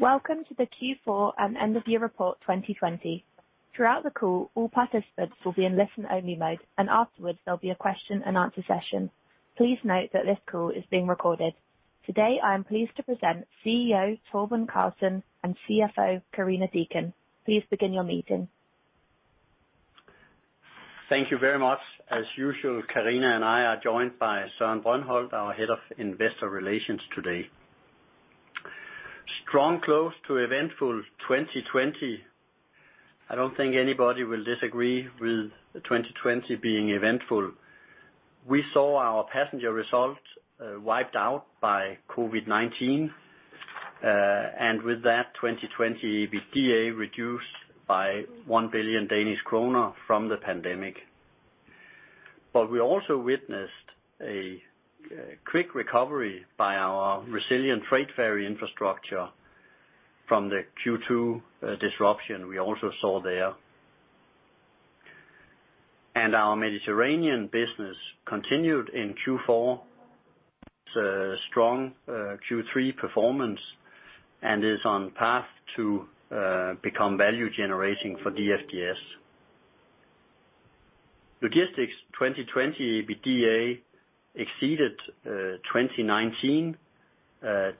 Welcome to the Q4 and end of year report 2020. Throughout the call, all participants will be in listen-only mode, and afterwards there'll be a question and answer session. Please note that this call is being recorded. Today, I am pleased to present CEO Torben Carlsen and CFO Karina Deacon. Please begin your meeting. Thank you very much. As usual, Karina and I are joined by Søren Brøndholt, our Head of Investor Relations today. Strong close to eventful 2020. I don't think anybody will disagree with 2020 being eventful. We saw our passenger result wiped out by COVID-19. With that, 2020 EBITDA reduced by 1 billion Danish kroner from the pandemic. We also witnessed a quick recovery by our resilient freight ferry infrastructure from the Q2 disruption we also saw there. Our Mediterranean business continued in Q4. It's a strong Q3 performance and is on path to become value-generating for DFDS. Logistics 2020 EBITDA exceeded 2019,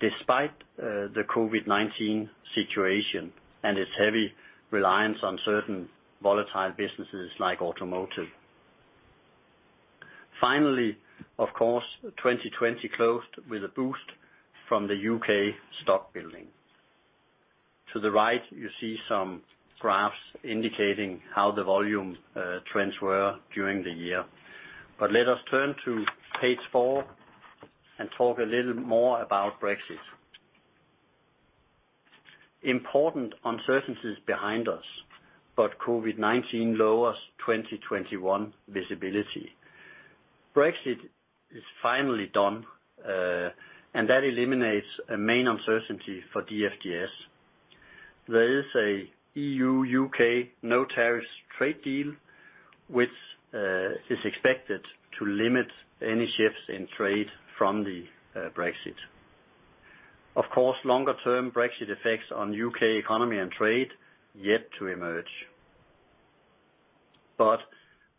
despite the COVID-19 situation and its heavy reliance on certain volatile businesses like automotive. Finally, of course, 2020 closed with a boost from the U.K. stockbuilding. To the right, you see some graphs indicating how the volume trends were during the year. Let us turn to page four and talk a little more about Brexit. Important uncertainties behind us, COVID-19 lowers 2021 visibility. Brexit is finally done, that eliminates a main uncertainty for DFDS. There is a E.U.-U.K. no-tariff trade deal, which is expected to limit any shifts in trade from the Brexit. Of course, longer-term Brexit effects on U.K. economy and trade yet to emerge.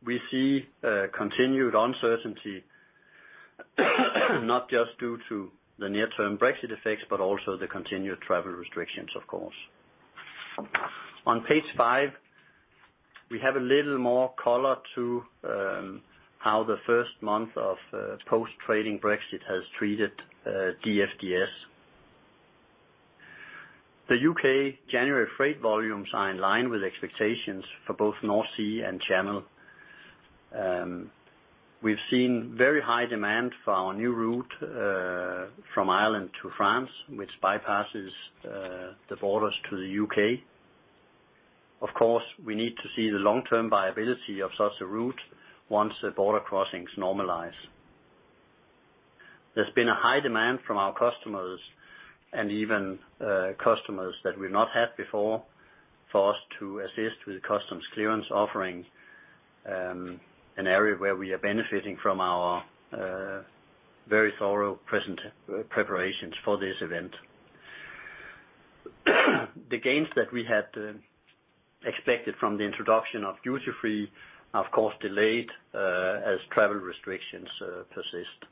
We see continued uncertainty, not just due to the near-term Brexit effects, but also the continued travel restrictions, of course. On page five, we have a little more color to how the first month of post-trading Brexit has treated DFDS. The U.K. January freight volumes are in line with expectations for both North Sea and Channel. We've seen very high demand for our new route, from Ireland to France, which bypasses the borders to the U.K. We need to see the long-term viability of such a route once the border crossings normalize. There's been a high demand from our customers and even customers that we've not had before for us to assist with customs clearance offerings, an area where we are benefiting from our very thorough present preparations for this event. The gains that we had expected from the introduction of duty-free, of course, delayed as travel restrictions persist.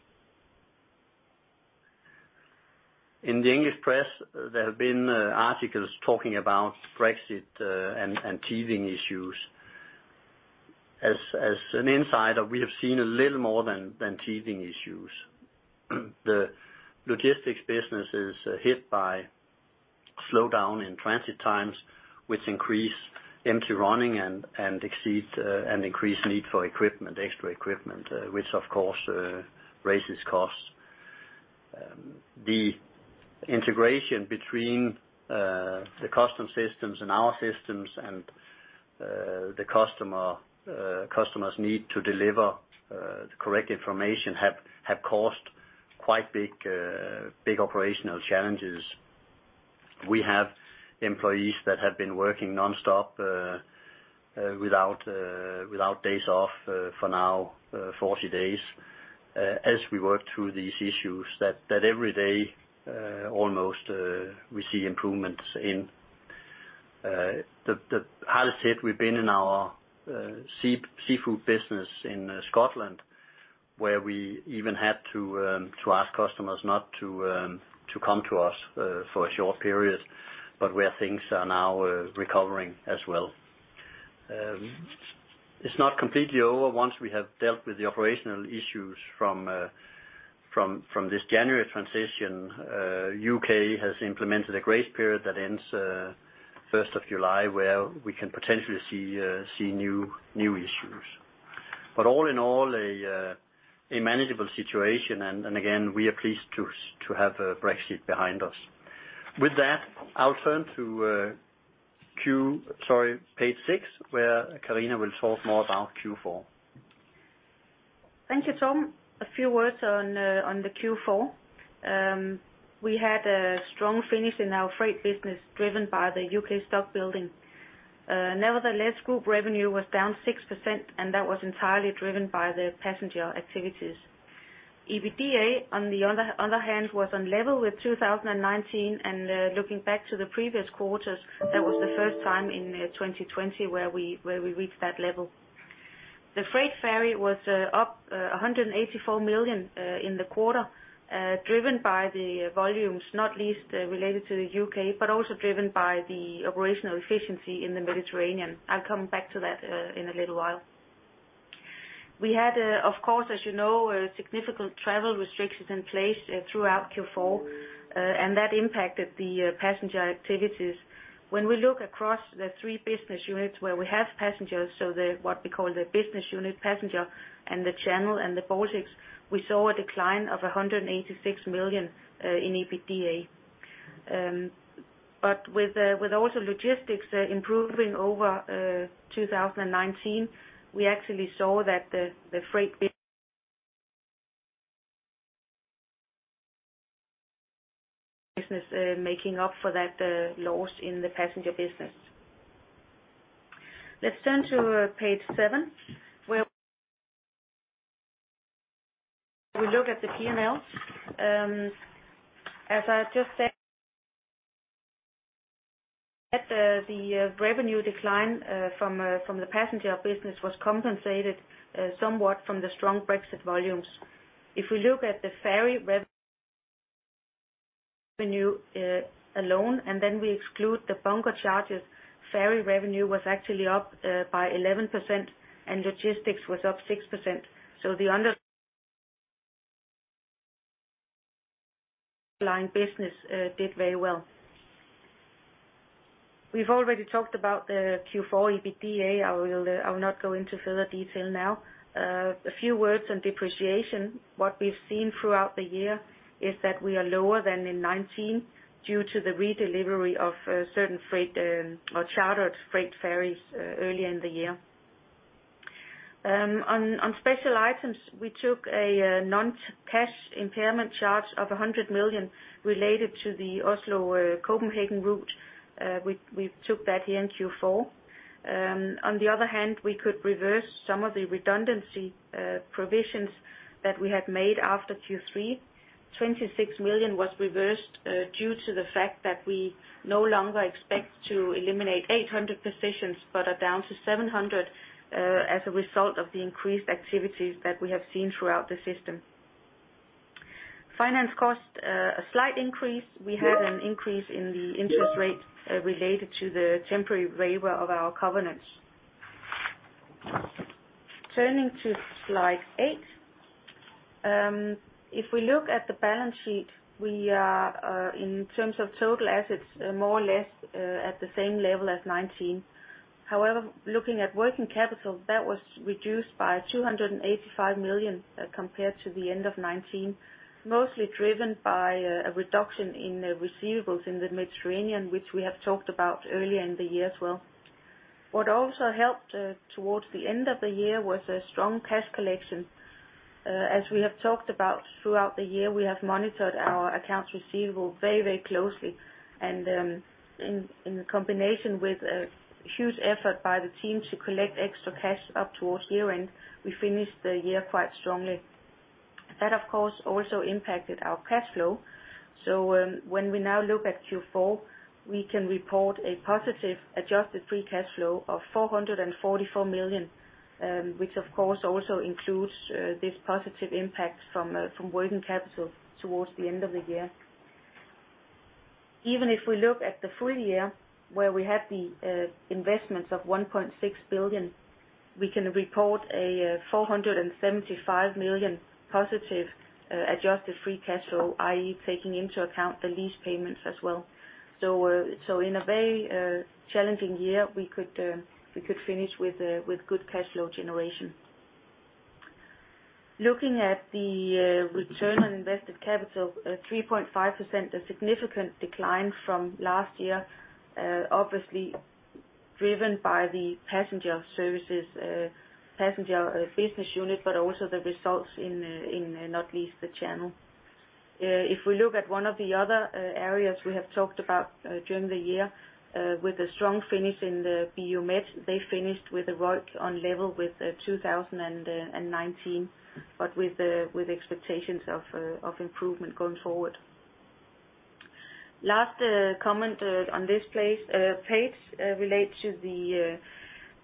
In the English press, there have been articles talking about Brexit and teething issues. As an insider, we have seen a little more than teething issues. The logistics business is hit by slowdown in transit times, which increase empty running and exceed an increased need for extra equipment, which of course, raises costs. The integration between the customs systems and our systems and the customers' need to deliver the correct information have caused quite big operational challenges. We have employees that have been working non-stop, without days off for now, 40 days, as we work through these issues that every day, almost, we see improvements in. The hardest hit we've been in our seafood business in Scotland, where we even had to ask customers not to come to us for a short period, but where things are now recovering as well. It's not completely over. Once we have dealt with the operational issues from this January transition, U.K. has implemented a grace period that ends 1st of July, where we can potentially see new issues. All in all, a manageable situation. Again, we are pleased to have Brexit behind us. With that, I'll turn to page six, where Karina will talk more about Q4. Thank you, Torben. A few words on the Q4. We had a strong finish in our freight business, driven by the U.K. stockbuilding. Nevertheless, group revenue was down 6%, and that was entirely driven by the passenger activities. EBITDA on the other hand was on level with 2019 and looking back to the previous quarters, that was the first time in 2020 where we reached that level. The freight ferry was up 184 million in the quarter, driven by the volumes, not least related to the U.K., but also driven by the operational efficiency in the Mediterranean. I'll come back to that in a little while. We had, of course, as you know, significant travel restrictions in place throughout Q4, and that impacted the passenger activities. When we look across the three business units where we have passengers, so what we call the business unit passenger and the Channel and the Baltics, we saw a decline of 186 million in EBITDA. With also logistics improving over 2019, we actually saw that the freight business making up for that loss in the passenger business. Let's turn to page seven, where we look at the P&L. As I just said, the revenue decline from the passenger business was compensated somewhat from the strong Brexit volumes. If we look at the ferry revenue alone, and then we exclude the bunker charges, ferry revenue was actually up by 11% and logistics was up 6%. The underlying business did very well. We've already talked about the Q4 EBITDA. I will not go into further detail now. A few words on depreciation. What we've seen throughout the year is that we are lower than in 2019 due to the redelivery of certain freight or chartered freight ferries earlier in the year. On special items, we took a non-cash impairment charge of 100 million related to the Oslo-Copenhagen route. We took that here in Q4. On the other hand, we could reverse some of the redundancy provisions that we had made after Q3. 26 million was reversed due to the fact that we no longer expect to eliminate 800 positions, but are down to 700, as a result of the increased activities that we have seen throughout the system. Finance cost, a slight increase. We had an increase in the interest rates related to the temporary waiver of our covenants. Turning to slide eight. If we look at the balance sheet, we are, in terms of total assets, more or less at the same level as 2019. However, looking at working capital, that was reduced by 285 million compared to the end of 2019, mostly driven by a reduction in receivables in the Mediterranean, which we have talked about earlier in the year as well. What also helped towards the end of the year was a strong cash collection. As we have talked about throughout the year, we have monitored our accounts receivable very closely, and in combination with a huge effort by the team to collect extra cash up towards year-end, we finished the year quite strongly. That, of course, also impacted our cash flow. When we now look at Q4, we can report a positive adjusted free cash flow of 444 million, which of course also includes this positive impact from working capital towards the end of the year. Even if we look at the full year where we had the investments of 1.6 billion, we can report a 475 million positive adjusted free cash flow, i.e., taking into account the lease payments as well. In a very challenging year, we could finish with good cash flow generation. Looking at the return on invested capital, 3.5%, a significant decline from last year, obviously driven by the passenger services, passenger business unit, but also the results in not least the Channel. If we look at one of the other areas we have talked about during the year, with a strong finish in the BU Med, they finished with ROIC on level with 2019, but with expectations of improvement going forward. Last comment on this page relates to the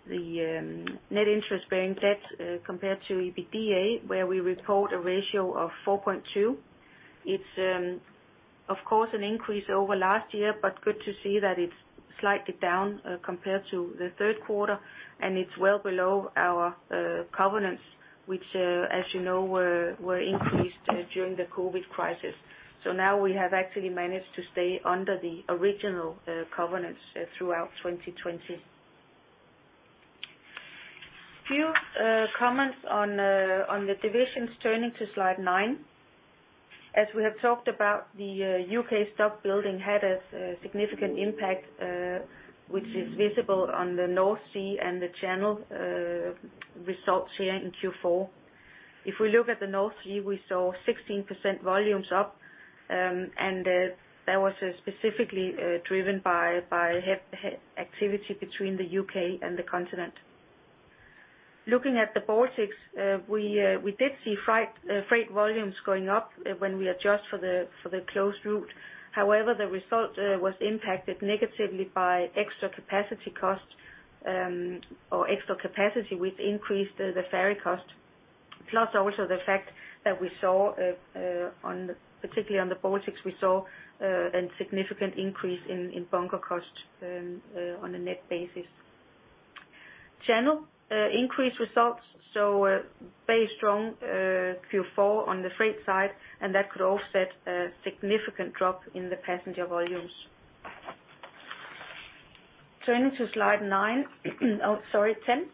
net interest bearing debt compared to EBITDA, where we report a ratio of 4.2x. It's of course an increase over last year, but good to see that it's slightly down compared to the third quarter, and it's well below our covenants, which as you know were increased during the COVID crisis. Now we have actually managed to stay under the original covenants throughout 2020. Few comments on the divisions. Turning to slide nine. As we have talked about, the U.K. stock building had a significant impact, which is visible on the North Sea and the Channel results here in Q4. If we look at the North Sea, we saw 16% volumes up, and that was specifically driven by activity between the U.K. and the Continent. Looking at the Baltics, we did see freight volumes going up when we adjust for the closed route. However, the result was impacted negatively by extra capacity costs or extra capacity, which increased the ferry cost. Plus also the fact that particularly on the Baltics, we saw a significant increase in bunker costs on a net basis. Channel increased results, so very strong Q4 on the freight side, and that could offset a significant drop in the passenger volumes. Turning to slide nine. Oh, sorry, 10.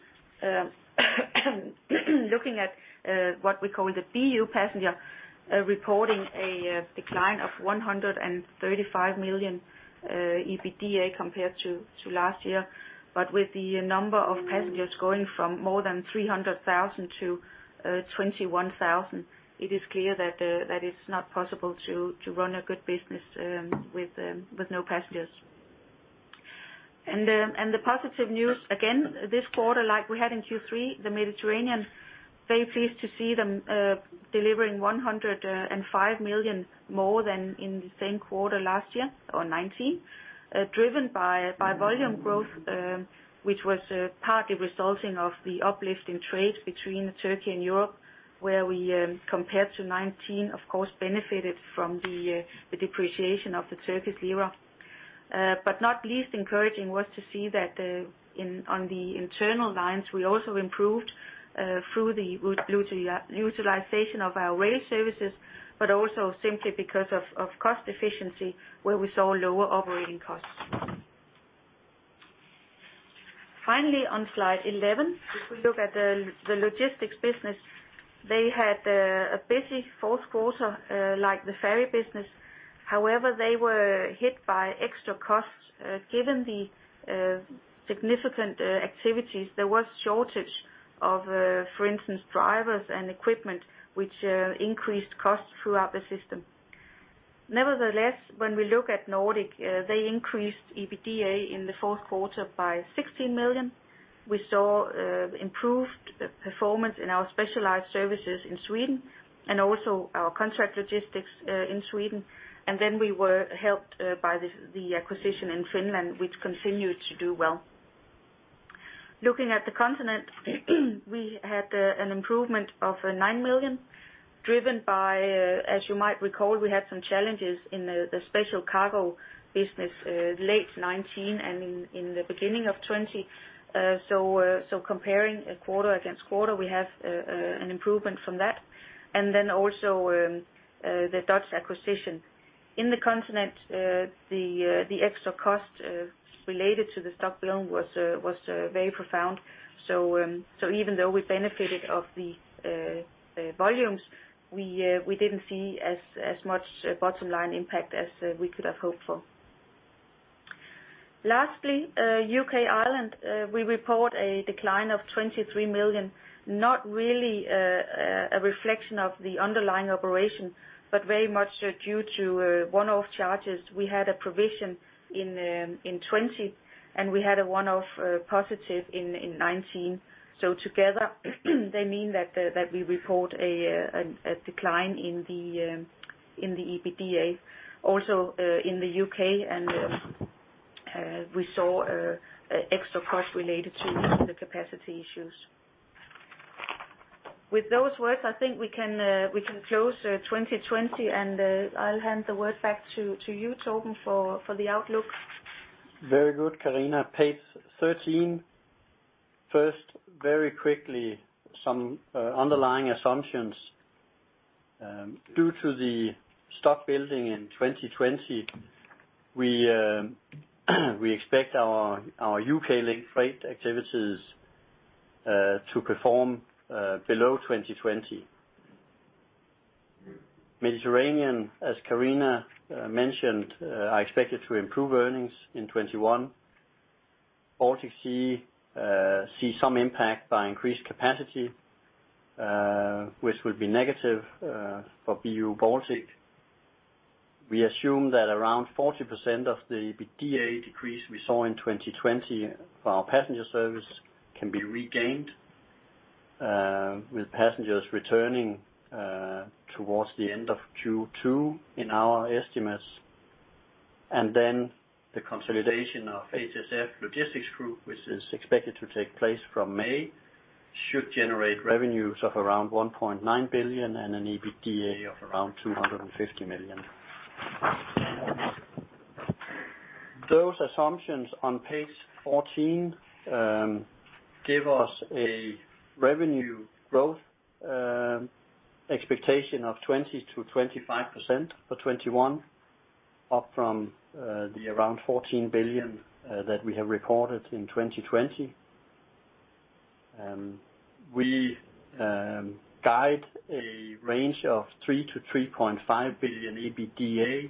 Looking at what we call the BU passenger, reporting a decline of 135 million EBITDA compared to last year. With the number of passengers going from more than 300,000 to 21,000, it is clear that it's not possible to run a good business with no passengers. The positive news, again, this quarter like we had in Q3, the BU Med, very pleased to see them delivering 105 million more than in the same quarter last year or 2019, driven by volume growth, which was partly resulting of the uplift in trades between Turkey and Europe, where we compared to 2019, of course, benefited from the depreciation of the Turkish lira. Not least encouraging was to see that on the internal lines, we also improved through the utilization of our rail services, also simply because of cost efficiency, where we saw lower operating costs. Finally, on slide 11, if we look at the logistics business, they had a busy fourth quarter like the ferry business. However, they were hit by extra costs. Given the significant activities, there was shortage of, for instance, drivers and equipment, which increased costs throughout the system. When we look at Nordic, they increased EBITDA in the fourth quarter by 16 million. We saw improved performance in our specialized services in Sweden and also our contract logistics in Sweden. We were helped by the acquisition in Finland, which continued to do well. Looking at the continent, we had an improvement of 9 million driven by, as you might recall, we had some challenges in the special cargo business late 2019 and in the beginning of 2020, and also the Dutch acquisition. Comparing quarter against quarter, we have an improvement from that. In the continent, the extra cost related to the stockbuilding was very profound. Even though we benefited from the volumes, we didn't see as much bottom-line impact as we could have hoped for. Lastly, U.K., Ireland, we report a decline of 23 million. Not really a reflection of the underlying operation, very much due to one-off charges. We had a provision in 2020, we had a one-off positive in 2019. Together, they mean that we report a decline in the EBITDA. Also in the U.K., we saw extra cost related to the capacity issues. With those words, I think we can close 2020, I'll hand the word back to you, Torben, for the outlook. Very good, Karina. Page 13. First, very quickly, some underlying assumptions. Due to the stockbuilding in 2020, we expect our U.K. link freight activities to perform below 2020. Mediterranean, as Karina mentioned, are expected to improve earnings in 2021. Baltic Sea see some impact by increased capacity, which would be negative for BU Baltic. We assume that around 40% of the EBITDA decrease we saw in 2020 for our passenger service can be regained, with passengers returning towards the end of Q2 in our estimates. The consolidation of HSF Logistics Group, which is expected to take place from May, should generate revenues of around 1.9 billion and an EBITDA of around 250 million. Those assumptions on page 14 give us a revenue growth expectation of 20%-25% for 2021, up from the around 14 billion that we have reported in 2020. We guide a range of 3 billion-3.5 billion EBITDA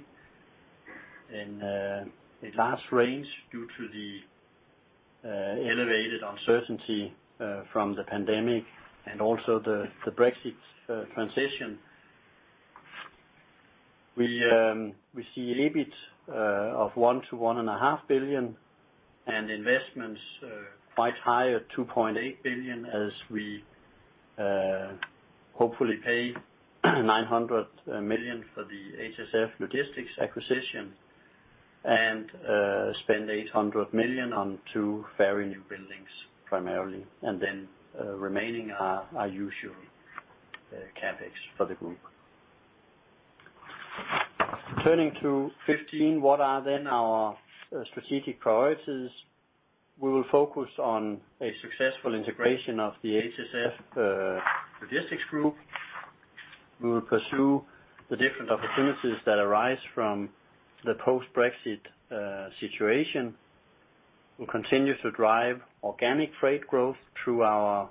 in a large range due to the elevated uncertainty from the pandemic and also the Brexit transition. We see EBIT of 1 billion-1.5 billion and investments quite high at 2.8 billion as we hopefully pay 900 million for the HSF Logistics acquisition and spend 800 million on two ferry newbuildings, primarily. Remaining are usual CapEx for the group. Turning to 15, what are our strategic priorities? We will focus on a successful integration of the HSF Logistics Group. We will pursue the different opportunities that arise from the post-Brexit situation. We'll continue to drive organic freight growth through our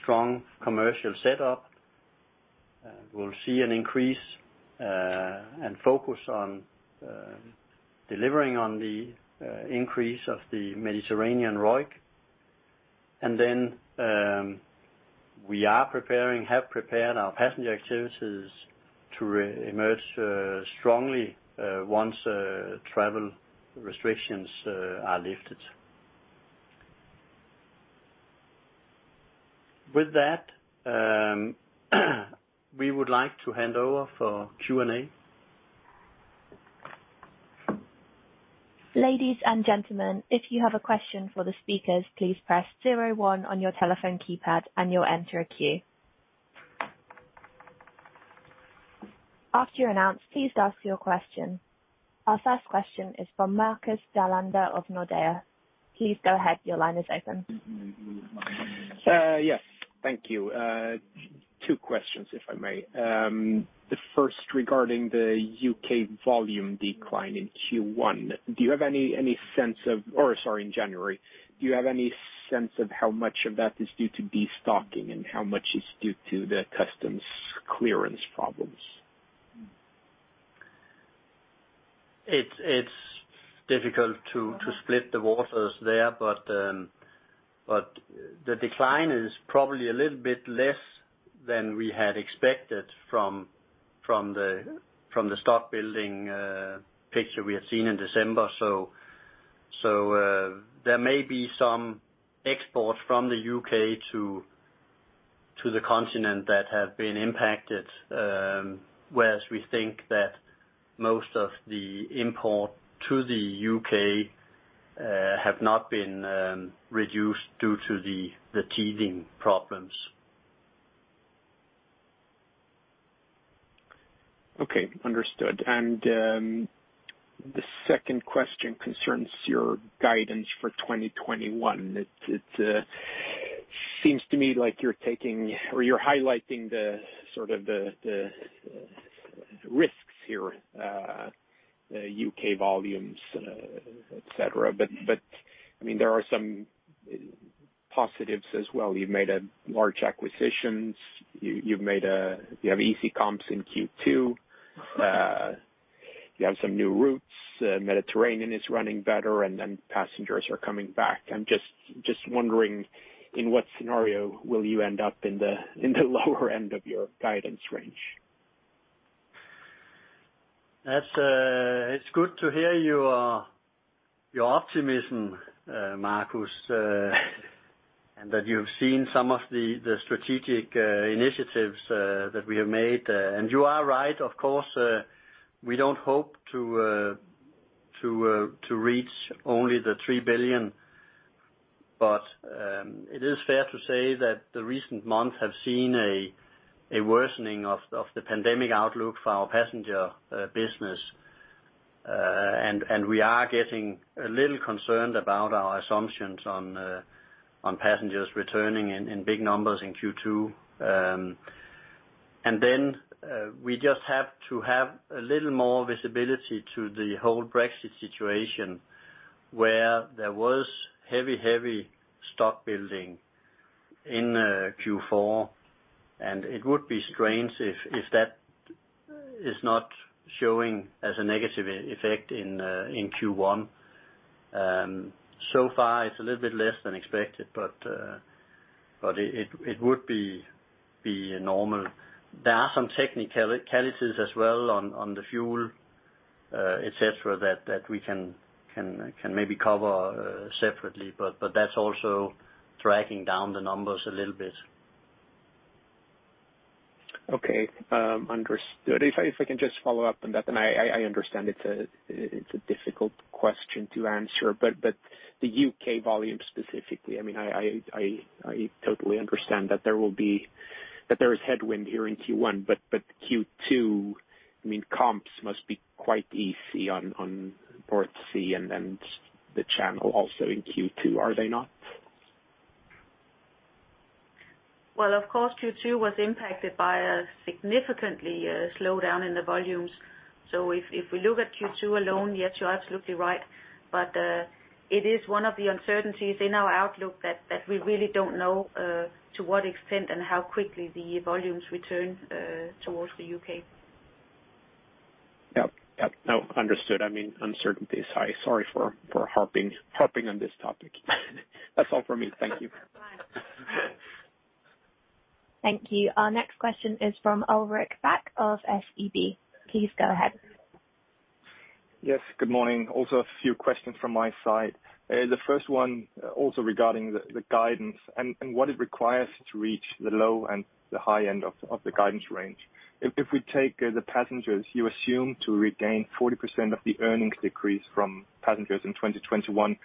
strong commercial setup. We'll see an increase and focus on delivering on the increase of the Mediterranean ROIC. We are preparing, have prepared our passenger activities to reemerge strongly once travel restrictions are lifted. With that, we would like to hand over for Q&A. Ladies and gentlemen, if you have a question for the speakers, please press zero one on your telephone keypad and you'll enter a queue. After you're announced, please ask your question. Our first question is from Marcus Bellander of Nordea. Please go ahead. Your line is open. Yes. Thank you. Two questions, if I may. The first regarding the U.K. volume decline in Q1, or sorry, in January. Do you have any sense of how much of that is due to destocking and how much is due to the customs clearance problems? It's difficult to split the waters there. The decline is probably a little bit less than we had expected from the stockbuilding picture we had seen in December. There may be some export from the U.K. to the continent that have been impacted, whereas we think that most of the import to the U.K. have not been reduced due to the teething problems. Okay. Understood. The second question concerns your guidance for 2021. It seems to me like you're taking or you're highlighting the risks here, the U.K. volumes, et cetera. There are some positives as well. You've made large acquisitions. You have easy comps in Q2. You have some new routes. Mediterranean is running better. Passengers are coming back. I'm just wondering, in what scenario will you end up in the lower end of your guidance range? It's good to hear your optimism, Marcus, and that you've seen some of the strategic initiatives that we have made. You are right, of course, we don't hope to reach only the 3 billion, but it is fair to say that the recent months have seen a worsening of the pandemic outlook for our passenger business. We are getting a little concerned about our assumptions on passengers returning in big numbers in Q2. We just have to have a little more visibility to the whole Brexit situation where there was heavy stockbuilding in Q4, and it would be strange if that is not showing as a negative effect in Q1. So far it's a little bit less than expected, but it would be normal. There are some technicalities as well on the fuel, et cetera, that we can maybe cover separately, but that's also dragging down the numbers a little bit. Okay. Understood. If I can just follow up on that, and I understand it's a difficult question to answer, but the U.K. volume specifically, I totally understand that there is headwind here in Q1, but Q2 comps must be quite easy on North Sea and then the Channel also in Q2, are they not? Well, of course, Q2 was impacted by a significant slowdown in the volumes. If we look at Q2 alone, yes, you're absolutely right. It is one of the uncertainties in our outlook that we really don't know to what extent and how quickly the volumes return towards the U.K. Yep. No, understood. Uncertainty is high. Sorry for harping on this topic. That's all from me. Thank you. Thank you. Our next question is from Ulrik Bak of SEB. Please go ahead. Good morning. Also a few questions from my side. The first one, also regarding the guidance and what it requires to reach the low and the high end of the guidance range. If we take the passengers, you assume to regain 40% of the earnings decrease from passengers in 2021.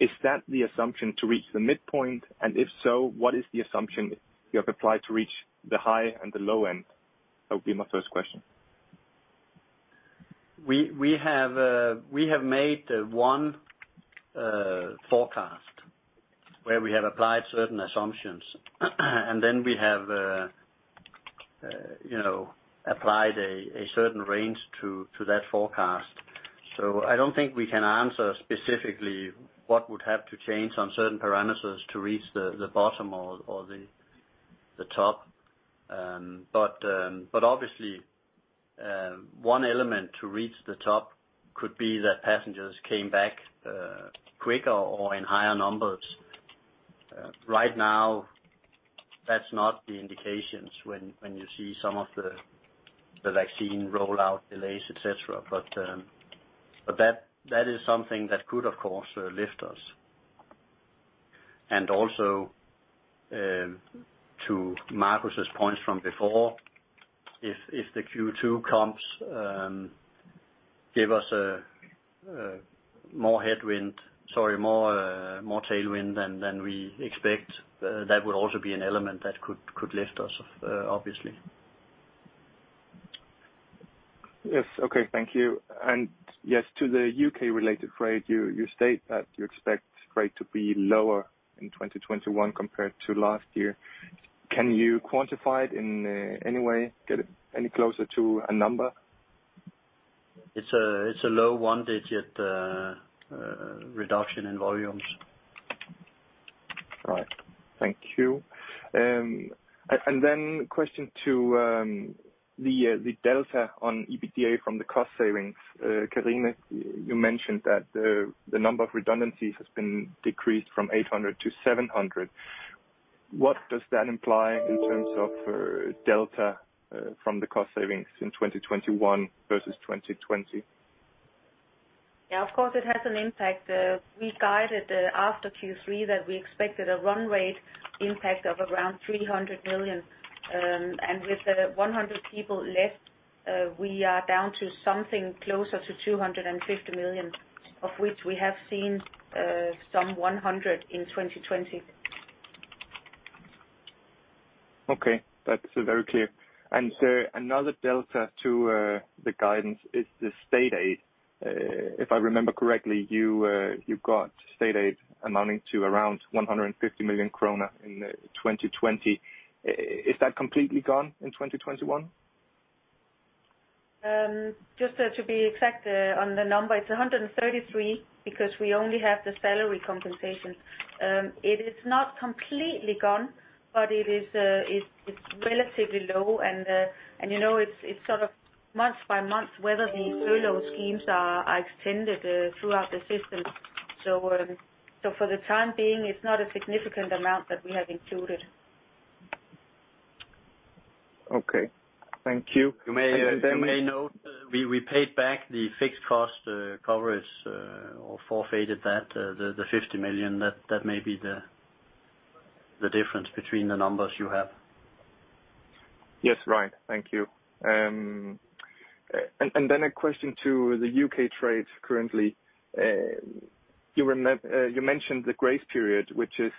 Is that the assumption to reach the midpoint? If so, what is the assumption you have applied to reach the high and the low end? That would be my first question. We have made one forecast where we have applied certain assumptions. Then we have applied a certain range to that forecast. I don't think we can answer specifically what would have to change on certain parameters to reach the bottom or the top. Obviously, one element to reach the top could be that passengers came back quicker or in higher numbers. Right now, that's not the indications when you see some of the vaccine rollout delays, et cetera. That is something that could, of course, lift us. Also, to Marcus' points from before, if the Q2 comps give us more headwind, sorry, more tailwind than we expect, that would also be an element that could lift us, obviously. Yes. Okay. Thank you. Yes, to the U.K.-related freight, you state that you expect freight to be lower in 2021 compared to last year. Can you quantify it in any way? Get any closer to a number? It’s a low one-digit reduction in volumes. All right. Thank you. Question to the delta on EBITDA from the cost savings. Karina, you mentioned that the number of redundancies has been decreased from 800 to 700. What does that imply in terms of delta from the cost savings in 2021 versus 2020? Yeah, of course, it has an impact. We guided after Q3 that we expected a run rate impact of around 300 million. With the 100 people left, we are down to something closer to 250 million, of which we have seen some 100 million in 2020. Okay. That's very clear. Another delta to the guidance is the state aid. If I remember correctly, you've got state aid amounting to around 150 million kroner in 2020. Is that completely gone in 2021? Just to be exact on the number, it's 133 because we only have the salary compensation. It is not completely gone, but it's relatively low, and it's sort of month by month whether the furlough schemes are extended throughout the system. For the time being, it's not a significant amount that we have included. Okay. Thank you. You may note, we paid back the fixed cost coverage or forfeited that, the 50 million. That may be the difference between the numbers you have. Yes. Right. Thank you. A question to the U.K. trades currently. You mentioned the grace period, which is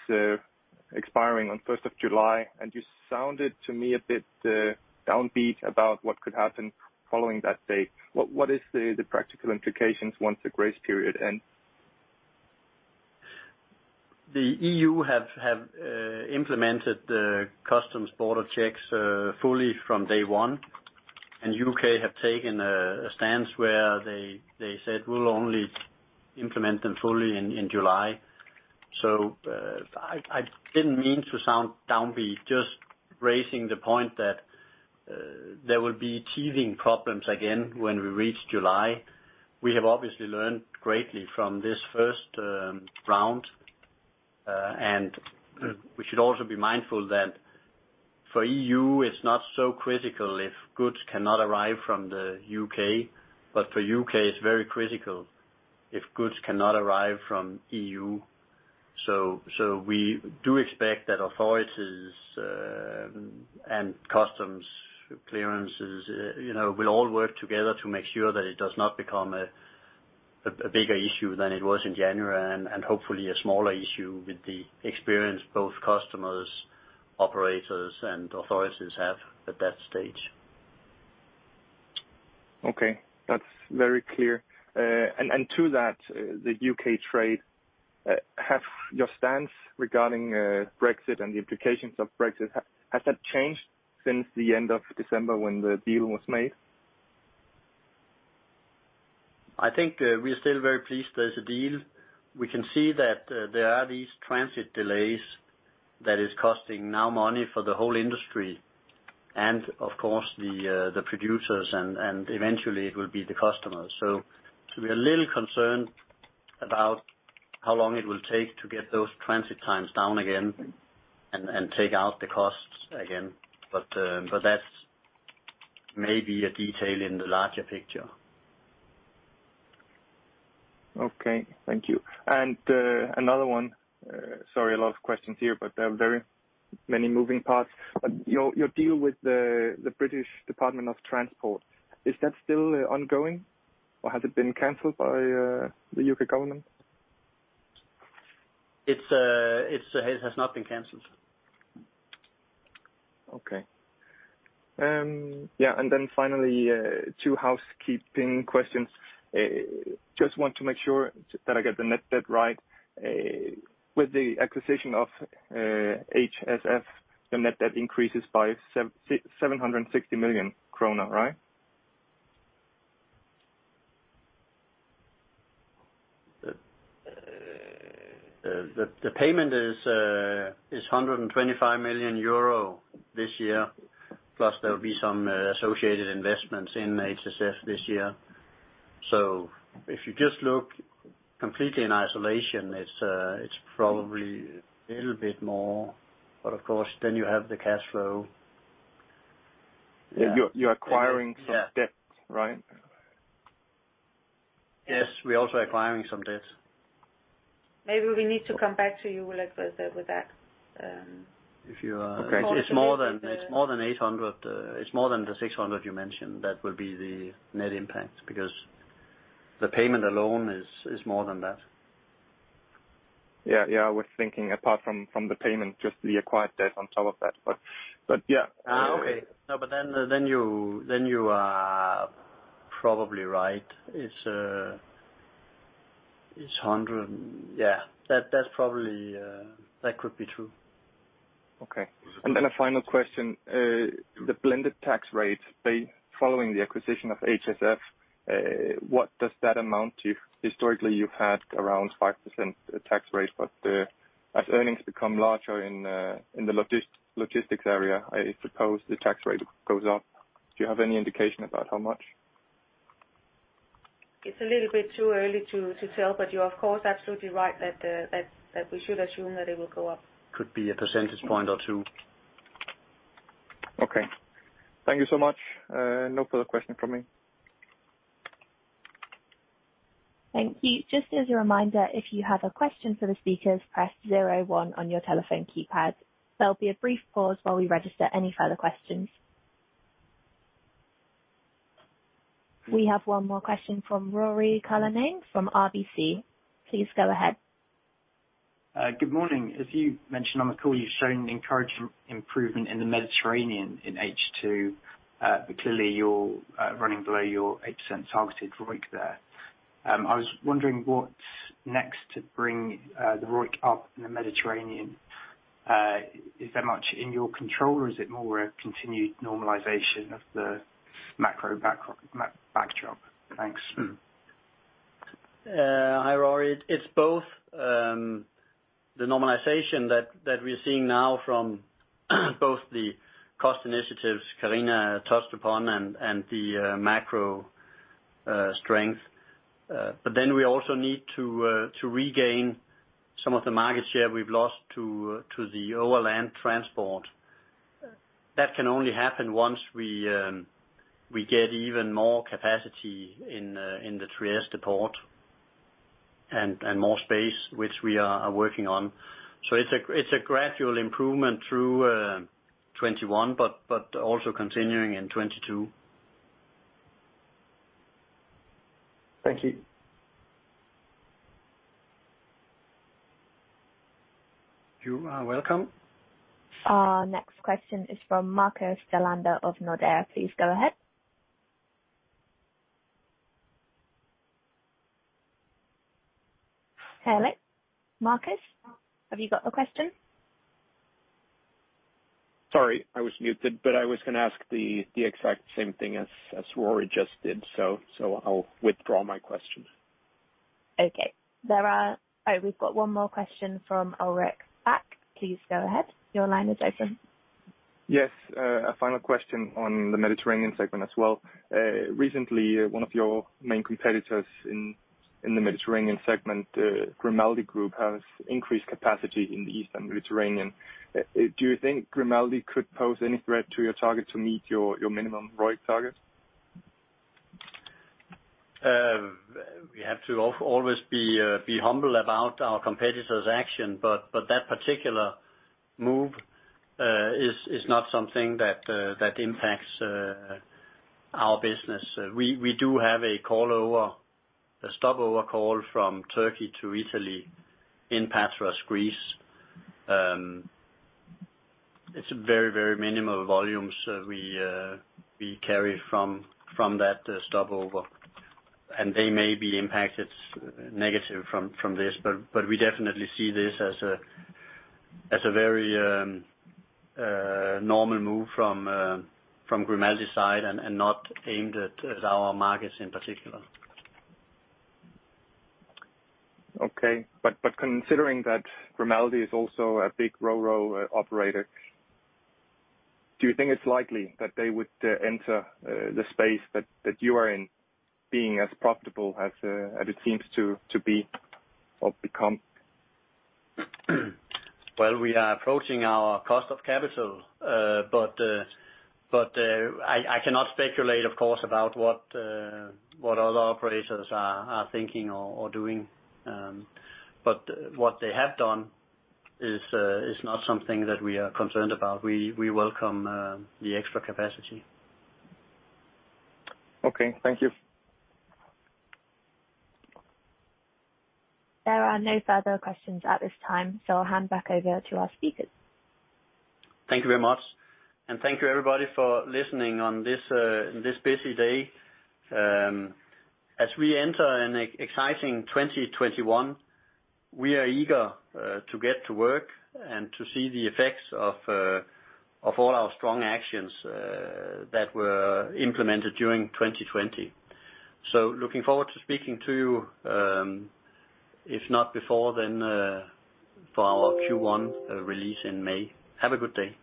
expiring on 1st of July, and you sounded to me a bit downbeat about what could happen following that date. What is the practical implications once the grace period ends? The E.U. have implemented the customs border checks fully from day one. The U.K. have taken a stance where they said we'll only implement them fully in July. I didn't mean to sound downbeat, just raising the point that there will be teething problems again when we reach July. We have obviously learned greatly from this first round. We should also be mindful that for E.U., it's not so critical if goods cannot arrive from the U.K. For U.K., it's very critical if goods cannot arrive from E.U. We do expect that authorities and customs clearances will all work together to make sure that it does not become a bigger issue than it was in January, and hopefully a smaller issue with the experience both customers, operators, and authorities have at that stage. Okay, that's very clear. To that, the U.K. trade, have your stance regarding Brexit and the implications of Brexit, has that changed since the end of December when the deal was made? I think we are still very pleased there's a deal. We can see that there are these transit delays that is costing now money for the whole industry, and of course, the producers, and eventually, it will be the customers. We're a little concerned about how long it will take to get those transit times down again and take out the costs again. That's maybe a detail in the larger picture. Okay. Thank you. Another one. Sorry, a lot of questions here, but there are very many moving parts. Your deal with the British Department for Transport, is that still ongoing, or has it been canceled by the U.K. government? It has not been canceled. Okay. Finally, two housekeeping questions. Just want to make sure that I get the net debt right. With the acquisition of HSF, the net debt increases by 760 million kroner, right? The payment is 125 million euro this year, plus there will be some associated investments in HSF this year. If you just look completely in isolation, it's probably a little bit more. Of course, then you have the cash flow. You're acquiring some debt, right? Yes. We're also acquiring some debt. Maybe we need to come back to you, Ulrik, with that. It's more than the 600 million you mentioned that will be the net impact, because the payment alone is more than that. Yeah. I was thinking apart from the payment, just the acquired debt on top of that. Yeah. Okay. No, you are probably right. Yeah. That could be true. Okay. A final question. The blended tax rate, following the acquisition of HSF, what does that amount to? Historically, you've had around 5% tax rate, as earnings become larger in the logistics area, I suppose the tax rate goes up. Do you have any indication about how much? It's a little bit too early to tell, but you're, of course, absolutely right that we should assume that it will go up. Could be a percentage point or two. Okay. Thank you so much. No further question from me. Thank you. Just as a reminder, if you have a question for the speakers, press zero one on your telephone keypad. There'll be a brief pause while we register any further questions. We have one more question from Ruairi Cullinane from RBC. Please go ahead. Good morning. As you mentioned on the call, you've shown an encouraging improvement in the Mediterranean in H2. Clearly, you're running below your 8% targeted ROIC there. I was wondering what's next to bring the ROIC up in the Mediterranean. Is that much in your control, or is it more a continued normalization of the macro backdrop? Thanks. Hi, Ruairi. It's both the normalization that we're seeing now from both the cost initiatives Karina touched upon and the macro strength. We also need to regain some of the market share we've lost to the overland transport. That can only happen once we get even more capacity in the Trieste port and more space, which we are working on. It's a gradual improvement through 2021, but also continuing in 2022. Thank you. You are welcome. Our next question is from Marcus Bellander of Nordea. Please go ahead. Hey, Marcus, have you got a question? Sorry, I was muted, but I was going to ask the exact same thing as Ruairi just did. I'll withdraw my question. Okay. We've got one more question from Ulrik Bak. Please go ahead. Your line is open. Yes. A final question on the Mediterranean segment as well. Recently, one of your main competitors in the Mediterranean segment, Grimaldi Group, has increased capacity in the Eastern Mediterranean. Do you think Grimaldi could pose any threat to your target to meet your minimum ROIC target? We have to always be humble about our competitor's action, but that particular move is not something that impacts our business. We do have a stopover call from Turkey to Italy in Patras, Greece. It's very minimal volumes we carry from that stopover, and they may be impacted negative from this, but we definitely see this as a very normal move from Grimaldi's side and not aimed at our markets in particular. Okay. Considering that Grimaldi is also a big ro-ro operator, do you think it's likely that they would enter the space that you are in being as profitable as it seems to be or become? Well, we are approaching our cost of capital. I cannot speculate, of course, about what other operators are thinking or doing. What they have done is not something that we are concerned about. We welcome the extra capacity. Okay. Thank you. There are no further questions at this time, so I'll hand back over to our speakers. Thank you very much, thank you, everybody, for listening on this busy day. As we enter an exciting 2021, we are eager to get to work and to see the effects of all our strong actions that were implemented during 2020. Looking forward to speaking to you, if not before, then for our Q1 release in May. Have a good day.